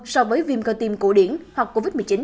so với viêm cơ tim cổ điển hoặc covid một mươi chín